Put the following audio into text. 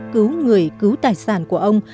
cứu người cứu tài sản của ông